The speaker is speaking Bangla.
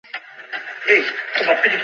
এখানে তাহলে আর বসে থেকেই কী হবে?